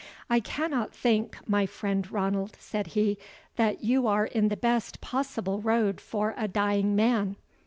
"I cannot think, my friend Ranald," said he, "that you are in the best possible road for a dying man.